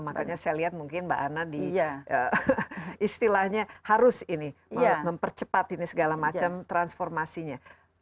makanya saya lihat mungkin mbak ana di istilahnya harus ini mempercepat ini segala macam transformasinya